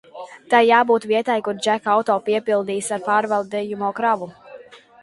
Tai jābūt vietai, kur Džeka auto piepildīs ar pārvadājamo kravu.